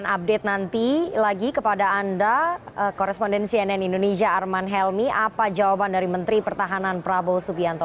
arman helmi apa jawaban dari menteri pertahanan prabowo subianto